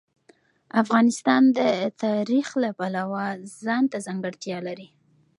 افغانستان د تاریخ د پلوه ځانته ځانګړتیا لري.